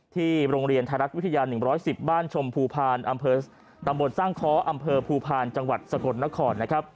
โรงเรียนไทยรัฐวิทยา๑๑๐บ้านชมภูพาลอำเภอตำบลสร้างค้ออำเภอภูพาลจังหวัดสกลนคร